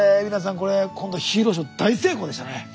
これ今度ヒーローショー大成功でしたね。